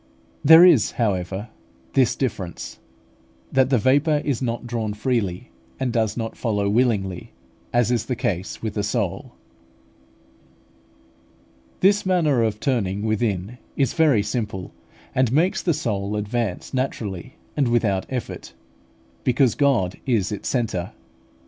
There is, however, this difference, that the vapour is not drawn freely, and does not follow willingly, as is the case with the soul. This manner of turning within is very simple, and makes the soul advance naturally and without effort; because God is its centre.